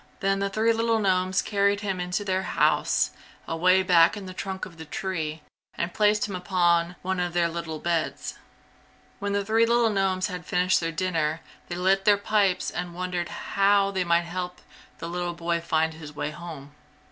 Then the three little gnomes carried him into their house, away back in the trunk of the tree, and placed him upon one of their little beds. When the three little gnomes had finished their dinner they lit their pipes and wondered how they might help the little boy find his way home.